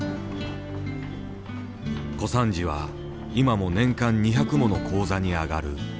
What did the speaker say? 小三治は今も年間２００もの高座に上がる。